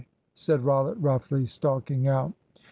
said Rollitt roughly, stalking out.